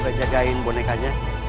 udah jagain bonekanya